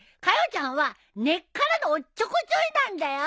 ちゃんは根っからのおっちょこちょいなんだよ。